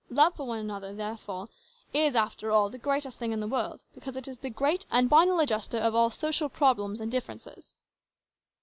Love for one another, therefore, is, after all, the greatest thing in the world, because it is the great and final adjuster of all social problems and differences."